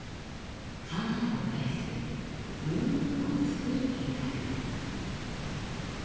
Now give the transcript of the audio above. ハワイのドレスムームーを作る計画。